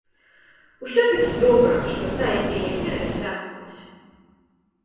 Усё-такі добра, што тая піянерыя ляснулася!